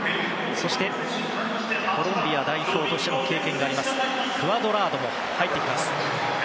そして、コロンビア代表としての経験もあるクアドラードも入ってきます。